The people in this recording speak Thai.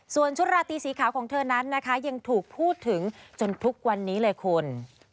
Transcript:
ส่วนชุดราตีสีขาวของเธอนั้นนะคะยังถูกพูดถึงจนทุกวันนี้เลยคุณ